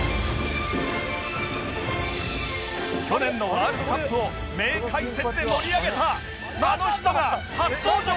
去年のワールドカップを名解説で盛り上げたあの人が初登場？